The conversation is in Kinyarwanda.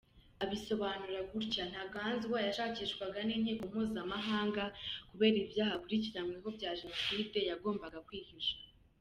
Abisobanura gutya; “Ntaganzwa yashakishwaga n’inkiko mpuzamahanga kubera ibyaha akurikiranyweho bya Jenoside yagombaga kwihisha.